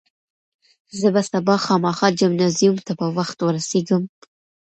زه به سبا خامخا جمنازیوم ته په وخت ورسېږم.